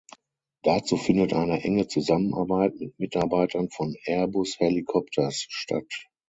Dazu findet eine enge Zusammenarbeit mit Mitarbeitern von Airbus Helicopters statt.